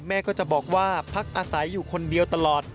แม่ก็จะบอกว่าพักอาศัยอยู่คนเดียวตลอด